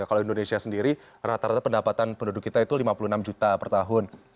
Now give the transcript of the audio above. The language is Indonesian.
kalau indonesia sendiri rata rata pendapatan penduduk kita itu lima puluh enam juta per tahun